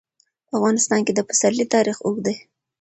په افغانستان کې د پسرلی تاریخ اوږد دی.